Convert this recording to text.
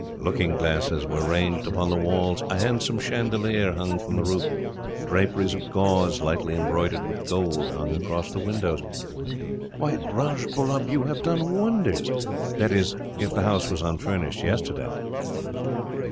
Looking glasses were ranged upon the walls; a handsome chandelier hung from the roof; draperies of gauze, lightly embroidered with gold, hung across the windows. "Why, Rajbullub, you have done wonders that is, if the house was unfurnished, yesterday."